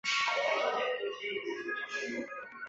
协定是世界贸易组织法律框架的组成部分。